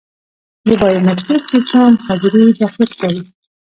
د بایومتریک سیستم حاضري دقیق کوي